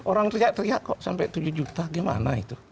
orang teriak teriak kok sampai tujuh juta gimana itu